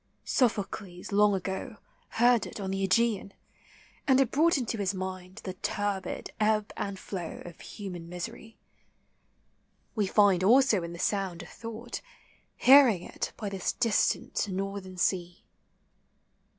Sophocles long ago Heard it on the .Ega?an, and it brought Into his mind the turbid ebb and flow Of human misery; we Find also in the sound a thought, Hearing it by this distant northern sea.